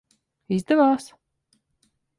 Izdevās?